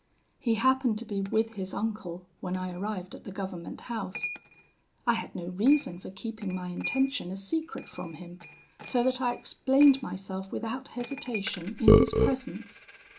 "He happened to be with his uncle when I arrived at the government house. I had no reason for keeping my intention a secret from him, so that I explained myself without hesitation in his presence.